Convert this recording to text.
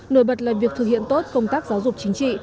nổi bật là việc thực hiện tốt công tác giáo dục chính trị